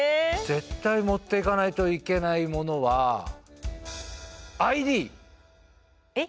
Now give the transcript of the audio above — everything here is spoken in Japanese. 絶対持っていかないといけないモノはえ？